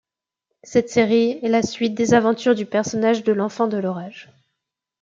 Cette série est la suite des aventures du personnage de L'Enfant de l'orage.